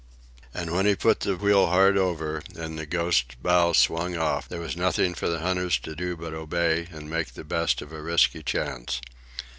And when he put the wheel hard over and the Ghost's bow swung off, there was nothing for the hunters to do but obey and make the best of a risky chance.